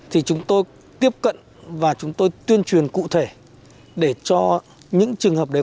thì chúng tôi tiếp cận và chúng tôi tuyên truyền cụ thể để cho những trường hợp đấy